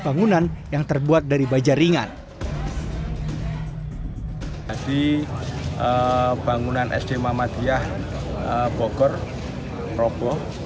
bangunan yang terbuat dari baja ringan jadi bangunan sd muhammadiyah bogor roboh